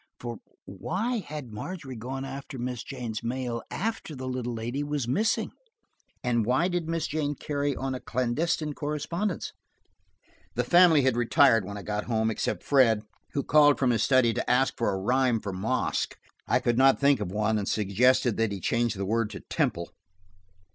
For why had Margery gone for Miss Jane's mail after the little lady was missing ? And why did Miss Jane carry on a clandestine correspondence ? The family had retired when I got home except Fred, who called from his study to ask for a rhyme for mosque. I could not think of one and suggested that he change the word to "temple."